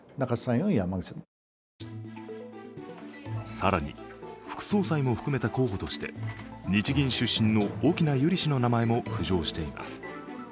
更に、副総裁も含めた候補として日銀出身の翁百合氏の名前も浮上しています。